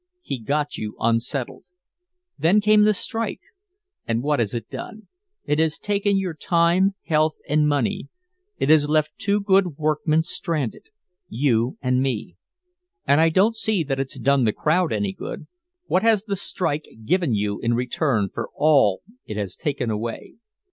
He got you unsettled. Then came the strike. And what has it done? It has taken your time, health, money. It has left two good workmen stranded you and me. And I don't see that it's done the crowd any good. What has the strike given you in return for all it has taken away?"